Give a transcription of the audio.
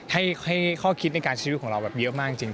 ให้ข้อคิดในการชีวิตของเราแบบเยอะมากจริง